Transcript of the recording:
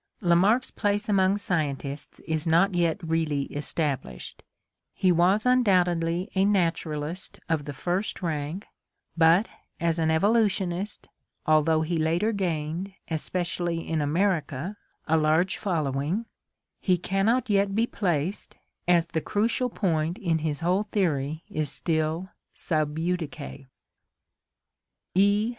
Lamarck's place among scientists is not yet really established. He was undoubtedly a naturalist of the first rank, but as an evolu tionist, although he later gained, especially in America, a large following, he cannot yet be placed, as the crucial point in his whole theory is still sub judice.